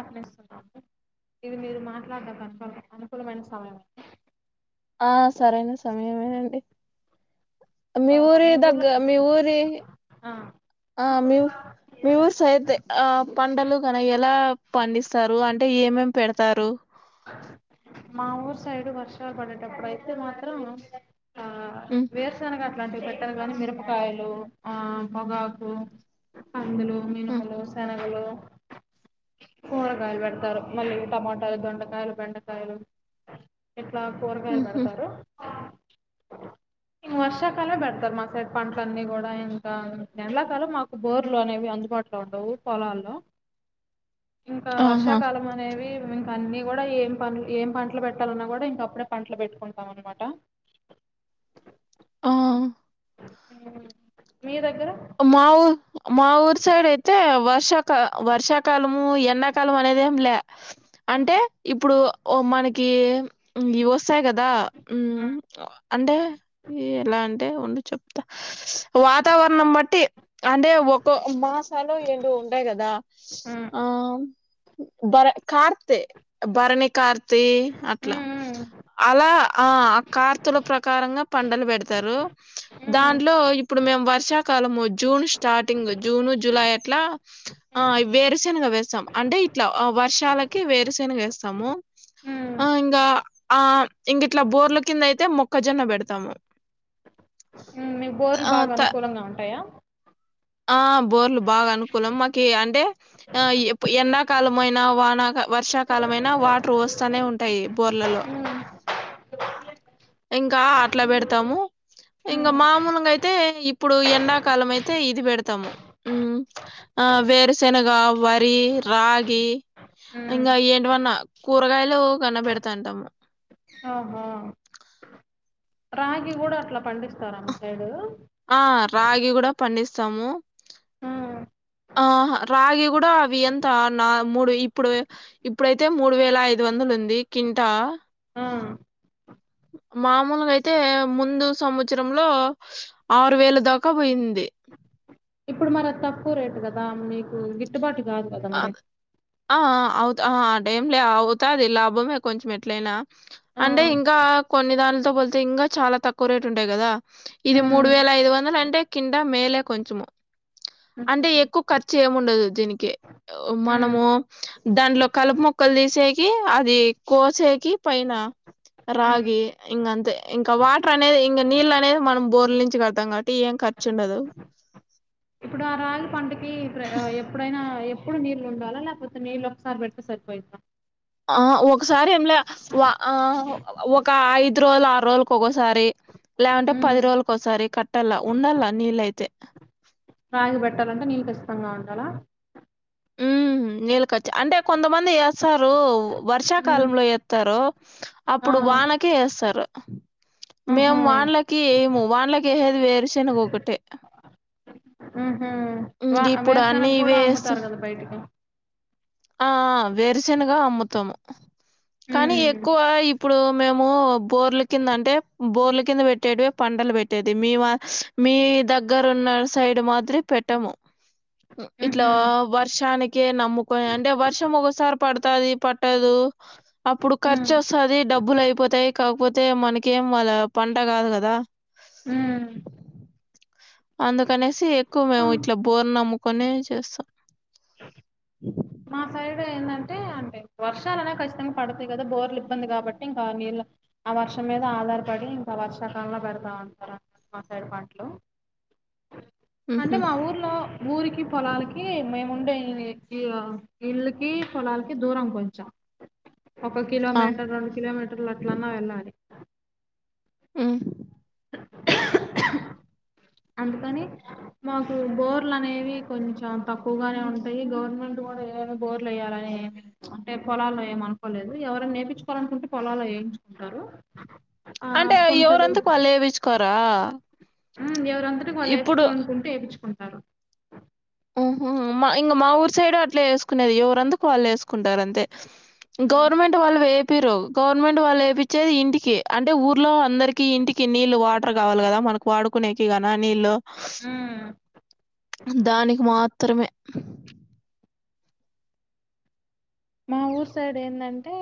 అర్పిస్తున్నాము ఇది మీరు మాట్లాడిన ప్రతిఫలం అనుకూలమైన సమయం ఆ సరేైన సమయమేనండి మీ ఆ ఊరి దగ్గ ఊర్లో మీ ఊరి ఆ ఆ మీ మీ ఊరు సైతే ఆ పండలు కని అయ్యి ఎలా పండిస్తారు అంటె ఏమేం పెడతారు? అప్పుడైతే మాత్రం ఆ ఉమ్, వేరుసెనగ ఇలాంటివి పెట్టరు గాని మిరపకాయలు ఆ పొగాకు కందులు ఉమ్, మినుములు శనగలు కూరగాయలు పెడతారు మళ్ళీ టమోటాలు దొండ కాయలు బెండకాయలు ఇట్లా కూరగాయలు ఉమ్, ఉమ్. పెడతారు. ఈ వర్షాకాలం బెడతారు మా సైడ్ పంటలన్నీ కూడా ఇంకా ఎండాకాలం మాకు బోర్లు అనేవి అందుబాటులో ఉండవు పొలాల్లో ఇంకా ఆహా వర్షాకాలం అనేవి ఇంకన్ని కూడా ఏం పంటలు ఏం పంటలు పెట్టాలన్నా కూడా ఇంక అప్పుడే పంటలు పెట్టుకుంటాం అన్నమాట. ఆ మీ దగ్గర మా ఊ మా ఊరు సైడ్ అయితే వర్షాకా వర్షాకాలము ఎండాకాలం అనేదేం ల్యా హ్మ్. అంటే ఇప్పుడు ఓ మనకి ఇంగివొస్తాయి కదా మ్మ్ హ్మ్. అంటే ఎలా అంటే ఉండు చెప్తా వాతావరణం బట్ ట్టి అంటే ఒకో మాసాలో ఏండో ఉండాయి కదా హ్మ్. ఆ బర కార్తే భరణి కార్తీ అట్లా హ్మ్. అలా ఆ కార్తల ప్రకారంగా పంటలు పెడతారు దాంట్లో ఇప్పుడు మేము వర్ష కాలము జూష్ స్టార్టింగ్ జూన్ జులై అట్లా ఆ హ్మ్. వేరుశేనుగా వేస్ సాం అంటే ఇట్లా వర్షాలకి వేరుశేనగేస్తాము. హ్మ్. ఆ ఇంగా ఆ ఇంగిట్ల బోర్ల కింద అయితే మొక్కజొన్న పెడతాము. మీ బోర్లు ఆ బాగా త అనుకూలంగా ఉంటాయా? ఆ బోర్లు బాగా అనుకూలం మాకి. అంటే, ఆ ఎప్పు ఎండాకాలం అయినా వానా వర్షాకాలం అయినా వాటర్ వస్తానే ఉంటాయి. బోర్లలో హ్మ్. ఇంకా అట్లా పెడతాము. ఇంగ మామూలుగా అయితే ఇప్పుడు ఎండాకాలం అయితే ఇది పెడతాము. ఇం ఆ వేరుశెనగ, వరి, రాగి హ్మ్. ఇంగా ఏంటవన్నా కూరగాయలు కన్నా పెడతాంటాము. ఓహో! రాగి కూడా అట్లా పండిస్తారా మీ సైడు ఆ రాగి కూడా పండిస్తాము. హ్మ్. ఆ రాగి కూడా అవి ఎంత నా మూడు ఇప్పుడు ఇప్పుడైతే మూడు వేల ఐదు వందలు ఉంది. కింటా ఆ! మామూలుగా అయితే, ముందు సంవత్సరంలో ఆరు వేల దాకా పోయింది. ఇప్పుడు మరి తక్కువ రేట్ కదా మీకు గిట్టుబాటు రాదు కదా అ మరే. ఆ అవుత అ ట ఏం లే అవుతాది లాభమే కొంచెం ఎట్లయినా ఆ! అంటే ఇంకా కొన్ని దానిలతో పోలితే ఇంకా చాలా తక్కువ రేటు ఉంటాయి కదా ఇది మూడు హ్మ్. వేల ఐదు వందలు అంటే కింటా మేలే కొంచెము హుహు. అంటే ఎక్కువ ఖర్చు ఏము ఉండదు దీనికి హ్మ్. మనము దాంట్లో కలుపు మొక్కలు తీసేకి అది కోసేకి పైన హ్మ్. రాగి ఇంకంత ఇంకా వాటర్ అనేది ఇంకా నీళ్ళు అనేది మనం బోర్ల నుంచి కడతాం కాబట్టి ఏం ఖర్చు ఉండదు ఇప్పుడు ఆ రాగి పంటకి ఎప్పుడైనా ఎప్పుడు నీళ్ళు ఉండాలా లేకపోతే నీళ్ళు ఒకసారి పెడితే సరిపోయిద్దా. ఆ ఒకసారి ఏం లే ఆ ఒక ఐదు రోజులు ఆరు రోజులకు ఒకసారి లేకుంటే పది హ్మ్. రోజులకీ ఒకసారి కట్టాల ఉండాల నీళ్ళయితే. రాగి పెట్టాలంటే నీళ్లు ఖచ్చితంగా ఉం చాలా నీళ్ళకచ్చి అంటే కొంతమంది వేస్తారు. హ్మ్. వర్షాకాలంలో వేయరు. స్తారు ఆ అప్పుడు వానకే వేస్తారు ఆహా మేము వాన్లకి ఏయ్యము వాన్లకి వేసేది వేరుశనగ ఒకటే. ఆహా వా ఇంగిప్పుడు అన్ని వేరుశేనగ కూడా ఇవే ఏస్తున్ అమ్ముతారు కదా బైటకి. ఆ వేరిశేనగా అమ్ముతాము కానీ ఉమ్ ఎక్కువ ఇప్పుడు మేము బోర్ల కింద అంటే బోర్ల కింద పెట్టేడవి పంటలు పెట్టేది మీ మా మీ దగ్గర ఉన్న సైడ్ మాత్రీ పెట్టము. ఇట్లా ఉహు వర్షానికే నమ్ముకొని అంటే వర్షం ఒకసారి పడుతాది పట్టదు అప్పుడు ఉమ్ ఖర్చు వస్తది డబ్బులు అయిపోతాయి కాకపోతే మనకేం వాళ్ళ పంట కాదు కదా. అందుకనేసి ఎక్కువ మేము ఉమ్ ఇట్లా బోర్న నమ్ముకొనే చేస్తాం. వర్షాలు అనే ఖచ్చితంగా పడతాయి కదా బోర్లు ఇబ్బంది కాబట్టి ఇంకా నీళ్ళు ఆ వర్షం మీద ఆధారపడి ఇంకా వర్షాకాలంలో పెడతా ఉంటారు మా సైడ్ పంటలు. అంటే ఉహు మా ఊర్లో ఊరికి పొలాలకి మేము ఉండే ఇళ్ల్కి పోలాలికి దూరం పోయింది ఇ చ్చ ఒక ఆ కిలోమీటర్ రెండు కిలోమీటర్లు అట్లన్నా వెళ్ళాలి. మ్మ్ అందుకని మాకు బోర్లు అనేవి కొంచెం తక్కువగానే ఉంటాయి గవర్నమెంట్ కూడా ఏడ బోర్లు వేయాలని అంటే పొలాల్లో ఏమనుకోలేదు ఎవరన్నా ఏపిచ్చుకోవాలనీ అనుకుంటే పొలాలో వేయించుకుంటారు. ఆ అంటే కుంటలు ఎవరంతకు వాళ్ళు వేపిచ్చుకోరా. ఉ ఎవరంతటకు వాళ్ళు వేపించుకోవాలనుకుంటే వేపించుకుంటారు. సరా ఉహుమ్ ఇంకా మా ఊరు సైడ్ అట్లా వేసుకునేది ఎవరంతుకు వాళ్ళు వేసుకుంటారు అంతే ఉమ్. గవర్మెట్ వాల్ వే మీరు గవర్నమెంట్ వాళ్ళు వయిచ్చేది ఇంటికి అంటే ఊర్లో అందరికి ఇంటికి నీళ్ళు వాటర్ కావాలి కదా మనకు వాడుకునేకి నీ నలో ఉమ్. దాని మాత్రమే మా ఊరు సైడ్ ఏంటంటే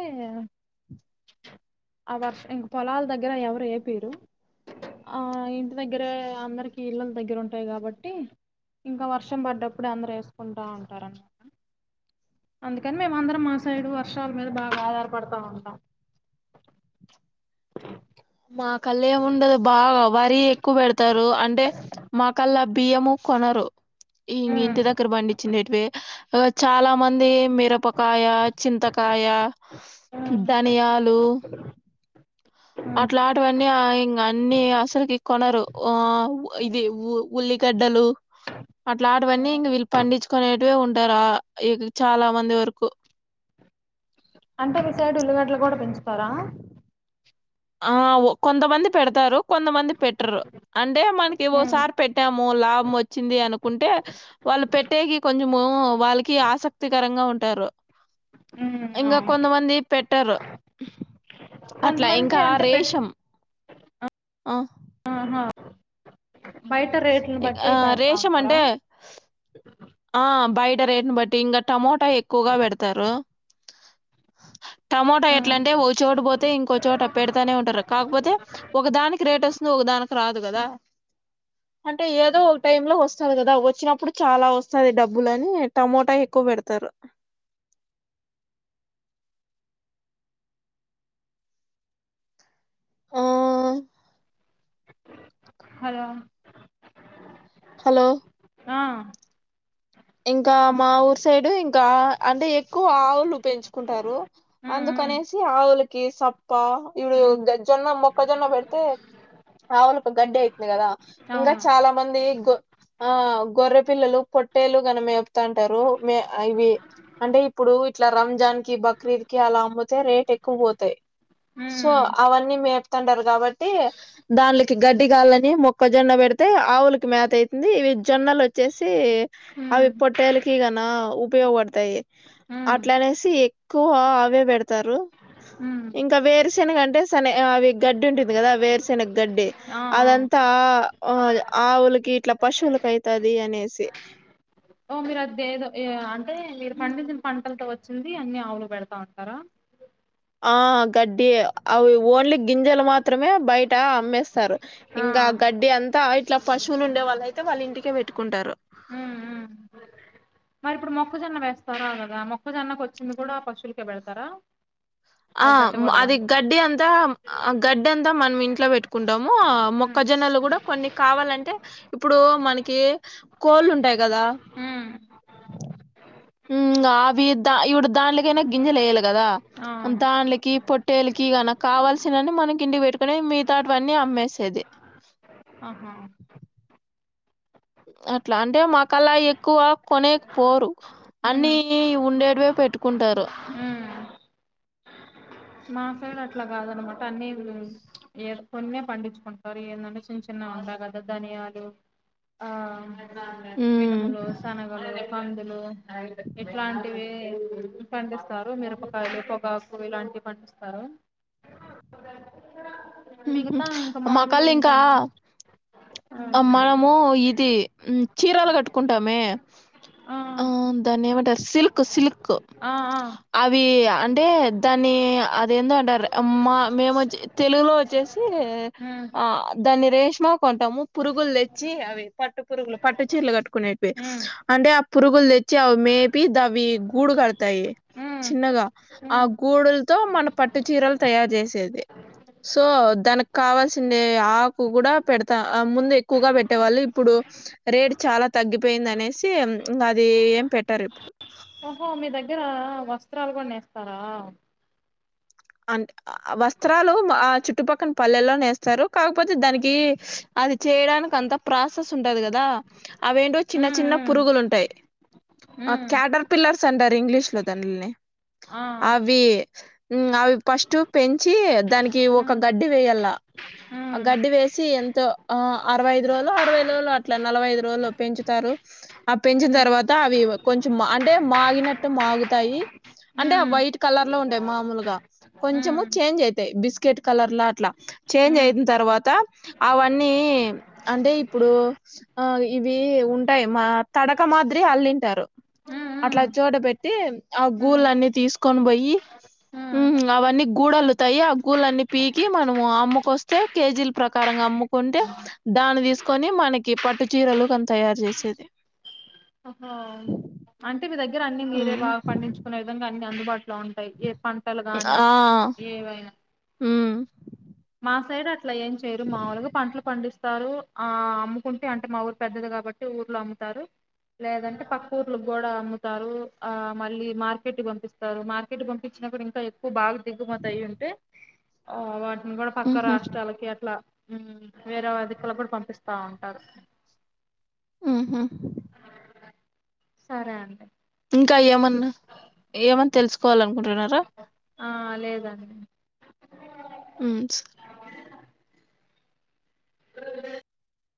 ఆ వర్షం ఇంక పొలాల దగ్గర ఎవరు ఏపోరు ఇంటి దగ్గరే అందరికిీ ఇళ్ళల దగ్గర ఉంటాయి కాబట్టి ఇంకా వర్షం పడ్డప్పుడే అందరుూ వేసుకుంటూ ఉంటారనమాట అందుకని మేము అందరం మా సైడు వర్షాల మీద బాగా ఆధారపడతా ఉంటాం మా కల్ళ ఏముండదు బాగా వరి ఎక్కువ పెడతారు అంటే మా కల్లా బియ్యము కొనరు ఇ ఉమ్, ఇంటి దగ్గర పండిచ్చినటువే చాలా మంది మిరపక్క కాయ చింతకాయ ఉమ్, ధనియాలు ఉమ్. అట్లా ఆటవన్నీ ఆ ఇంగా అన్నీ అసల్కీ. కొనరు ఆ ఉ ఇది ఉ ఉల్లిగడ్డలూ అట్లా ఆటవన్నీ ఇంగ వీళ్ళు పండించుకొనే వే ఉంటారు ఆ ఇ చాలా మంది వరకు. అంటే ఒక సైడ్ ఉల్లిగడ్ల కూడా పెంచుతారా. ఆ ఒ కొంతమంది పెడతారు. కొంతమంది పెట్టర్రు. అంటే మనకి ఉమ్ ఓసారి పెట్టాము లాభం వచ్చిందీ అనుకుంటే, వాళ్ళు పెట్టేకి కొంచ్ మూ వాళ్ళకి ఆసక్తికరంగా ఉంటారు. ఉమ్, ఇంగా అవును కొంతమంది పెట్టరూ. అట్లా ఇంక్ కొంతమంది కా అంటే పెట్ రేషం ఆ ఆహా బయట రేట్లను ఇగ్ బట్టి ఆ పెడతా రేషం ఉంటారా అంటే, ఆ బైట రేట్ను బట్ ట్టి ఇంగ టమోటా ఎక్కువగా పెడతారూ. టమోటా ఎట్ల ఉమ్, అంటే ఒక చోట పోతే ఇంకో చోట పెడతానే ఉంటారు. కాకపోతే, ఒక దానికి రేట్ వస్తుంది ఒకదానికి రాదు కదా. అంటే ఏదో ఒక టైం లో వస్తాది కదా, వచ్చినప్పుడు చాలా వస్తది డబ్బులనీ టమోటా ఎక్కువ పెడతారు. ఆ హలో హలో ఆ ఇంకా మా ఊరు సైడు ఇంకా అంటే ఎక్కువ ఆవులు పెంచుకుంటారు, ఉమ్, ఉమ్, అందుకనేసి ఆవులకి సప్. కా ఇపుడు ఉమ్, గజ్ జొన్న, మొక్కజొన్న పెడితే ఆవులకు గడ్డి అయితుంది కదా ఇంగా అవును చాలా మంది గొ ఆ గొర్రె పిల్లలు పొట్ ట్టేలు గన మేపుతాంటారు, మే ఇవి అంటే ఇప్పుడు ఇట్లా రంజాన్ కి బక్రీద్ కి అలా అమ్ముతే రేట్ ఎక్కువ పోతాయి. సో ఉమ్ అవన్నీ మేత్ తాంటారు కాబట్టీ, దానికి గడ్డిగావలని మొక్కజొన్న పెడితే, ఆవులకి మేత అయితుంది. ఇవి జొన్నలు వచ్చేసీ అవి ఉమ్ పొట్టేలకీ గణా ఉపయోగపడతాయి. ఉమ్ అట్ల అనేసీ ఎక్కువ ఆ అవే పెడతారు. ఉమ్, ఇంకా వేరుశెనగంటే సన అవి గడ్డి ఉంటుంది కదా వేరుశెన గడ్డి ఆ ఆ అదంతా ఆ ఆవులకి ఇట్లా పశువులకి అయితాదీ అనేసి. ఓ మీరు అదేదో ఏ అంటే మీరు పండించిన పంటలతో వచ్చిందీ అన్ని ఆవులకు పెడతా ఉంటారా. ఆ గడ్డి అవి ఓన్లీ గింజలు మాత్రమే బయటా అమ్మేస్తారు. ఆ ఇంగా గడ్డి అంతా ఆ ఇట్లా పశువులు ఉండే వాళ్ళు అయితే వాళ్ళ ఇంటికే పెట్టుకుంటారు. ఉమ్ ఉమ్ మరి ఇప్పుడు మొక్కజొన్న వేస్తారా కదా మొక్కజొన్నకు వచ్చింది గూడా పశుల్కే పెడతారా. ఆ అది పెట్టకూడదా అది గడ్డీ అంతా గడ్డీ అంతా మనం ఇంటిక్ ట్లో పెట్టుకుంటాం. మో ఉమ్ మొక్కజొన్నలు గూడా కొన్ని కావాలంటే, ఇప్పుడూ మనక్ కే కోళ్లు ఉంటాయి కదా ఉమ్ అవి ద ఇవిడు దాన్లకైనా గింజలు గదా ఆ దానిలకి టేలికి గిన కావల్సినని మనకి ఇంటికి పెట్టుకుని మిగతాటివన్నీ అమ్మేసేది ఆహా అట్లా అంటే మాకలా ఎక్కువ కొనేకి పోరు ఉమ్ అన్ని ఉండేవే పెట్టుకుంటారు ఉమ్ మా సైడు అట్లా కాదనమాట అన్ని కొన్నే పండించుకుంటారు ఏంటంటే చిన్న చిన్న వి ధనియాలు ఆ హ్మ్. మినుములు, శనగలు కందులు ఇట్లాంటివి ఇట్ పండిస్తారు మిరపకాయలు పొగాకు ఇలాంటివి పండిస్తారు మిగతా ఇంకా మామూలు మాకళ్ళ ఏం ఇంకా పండించరు మనము ఇది చీరలు కట్టుకుంటామే ఆ దాన్ని ఏమంటారు సిల్క్ సిల్క్ ఆ ఆ అవి అంటే దాన్ని అదేంటంటారు మా మేమొచ్చేసి తెలుగులో వచ్చేసి ఉమ్ దా రేష్మాకంటం పురుగులు దెచ్చి అవి పట్టు పురుగులు పట్టు చీరలు కట్టుకునేవి ఉమ్ అంటే పురుగుల్ చ్చి అవి మేపి అవి గూడు కడతాయి ఉమ్ చిన్నగా ఆ ఉమ్ గూడులతో మన పట్టు చీరలు తయారు చేసి చేది సో దానికి కావాల్సిన ఆకు కూడా పెడతా ముందు ఎక్కువగా పెట్టేవాళ్ళు ఇప్పుడు రేట్ చాలా తగ్గిపోయింది అనేసి అది ఏం పెట్టారు ఇప్పుడు ఓహో మీ దగ్గర వస్త్రాలు కూడానేస్తర అంటే వస్త్రాలు ఆ చుట్టుపక్కన పల్లెల్లోనే నేస్తారు కాకపోతే దానికి అది చేయడానికి అంత ప్రాసెస్ ఉంటది కదా అవి ఏంటో చిన్న ఉమ్ చిన్న ఉమ్ పురుగులు ఉంటాయి ఆ ఉమ్ క్యాటర్ పిల్లర్స్ అంటారు ఇంగ్లీష్ లో దాన్లని ఆ అవి అవి ఫస్ట్ పెంచి దానికి ఒక ఉమ్ గడ్డి వేయల్ల ఆ గడ్డి వేసి ఎంతో ఆ అరవై ఐదు రోజులు అరవై ఐదు రోజులు అట్లా నలవై ఐదు రోజులు పెంచుతారు ఆ పెంచిన తర్వాత అవి కొంచెం అంటే మాగినట్టు మాగుతాయి అంటే వైట్ కలర్ లో ఉంటాయి మామూలుగా కొంచెము చేంజ్ అవుతాయి బిస్కెట్ కలర్లా అట్లా చేంజ్ అయిన తర్వాత అవన్నీ అంటే ఇప్పుడు ఇవి ఉంటాయి మా తడక మాదిరి అల్లింటారు అట్లా చోట పెట్టి ఆ గూళ్ళ అన్ని తీసుకొని పోయి అవన్నీ గూడల్లుతాయి ఆ గూళ్లన్నీ పీకి మనము అమ్ముకొస్తే కేజీల ప్రకారంగా అమ్ముకుంటే దాన్ని తీసుకొని మనకి పట్టు చీరలు కనీ తయారు చేసేది హ అ దగ్గర అన్ని మీరే ఉమ్ బాగా పండించుకునే విధ అందు బా ఇట్లా ఉంటాయి ఏ పంటలు గాని ఆ ఏవైనా ఉమ్ మా సై ఇట్లా ఏం చేయరు మాముూలుగా పంటలు పండిస్తారు తారు ఆ అమ్ముకుంటే అంటే మా ఊరు పెద్దది కాబట్టి ఊర్లో అమ్ముతారు లేదంటే పక్క ఊర్లు కూడా అమ్ముతారు ఆ మళ్ళీ మార్కెట్ పంపిస్తారు మార్కెట్ పంపించినప్పుడు ఇంకా ఎక్కువ బాగా దికుమతాయి ఉంటే వా అ కూడా పక్క ఉహు రాష్ట్రాలకి అట్లా వేరే వదికల కూడా పంపిస్తా ఉంటారు ఊహు సరే అండి ఇంకా ఏమన్నా ఏమన్నా తెలుసుకోవాలి అనుకుంటున్నారా ఆ లేదండి ఉ సరే అ